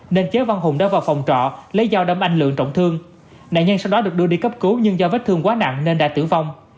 nên chế văn hùng đã vào phòng trọ lấy dao đâm anh lượng trọng thương nạn nhân sau đó được đưa đi cấp cứu nhưng do vết thương quá nặng nên đã tử vong